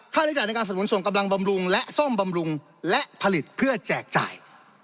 ใช้จ่ายในการสนุนส่งกำลังบำรุงและซ่อมบำรุงและผลิตเพื่อแจกจ่าย